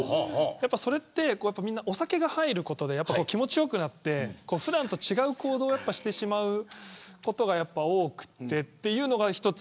それは、みんなお酒が入ることで気持ち良くなって普段と違う行動をしてしまうことが多くてというのが一つ。